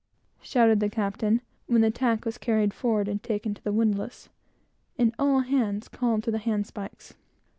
shouted the captain; when the tack was carried forward and taken to the windlass, and all hands called to the handspikes.